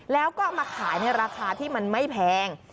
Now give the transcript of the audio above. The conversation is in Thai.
แล้วก็เอามาขายในราคาที่มันไม่แพง